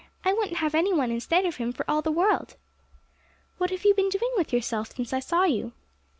I wouldn't have any one instead of him for all the world.' 'What have you been doing with yourself since I saw you?'